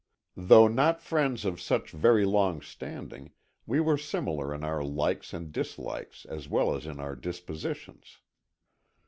Though not friends of such very long standing, we were similar in our likes and dislikes as well as in our dispositions.